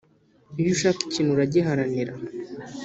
Iyo ushaka ikintu uragiharanira